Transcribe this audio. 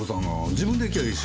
自分で行きゃいいっしょ。